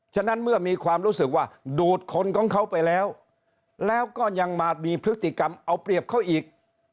ฉะนั้นเมื่อมีความรู้สึกว่าดูดคนของเขาไปแล้วแล้วก็ยังมามีพฤติกรรมเอาเปรียบเขาอีก